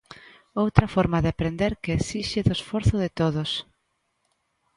Outra forma de aprender que esixe do esforzo de todos.